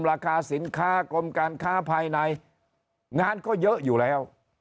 ราคาสินค้ากรมการค้าภายในงานก็เยอะอยู่แล้ว